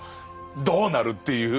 どうなるっていう。